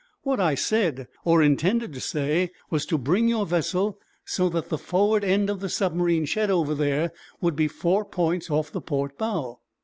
"What I said, or intended to say, was to bring your vessel so that the forward end of the submarine shed over there would be four points off the port bow."